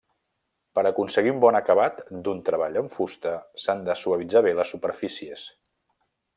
Per aconseguir un bon acabat d'un treball en fusta, s'han de suavitzar bé les superfícies.